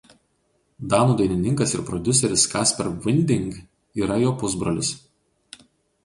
Danų dainininkas ir prodiuseris Kasper Winding yra jo pusbrolis.